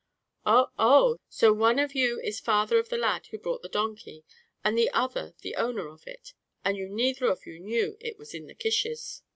"Oh, oh; so one of you is father of the lad who brought the donkey, and the other the owner of it; and you neither of you knew what was in the kishes."